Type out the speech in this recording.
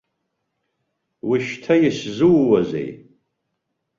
Ушьҭа исзууазеи?